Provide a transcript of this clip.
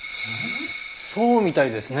そうみたいですね。